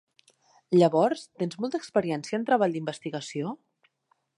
Llavors, tens molta experiència en treball d'investigació?